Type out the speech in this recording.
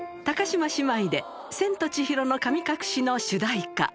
高嶋姉妹で千と千尋の神隠しの主題歌。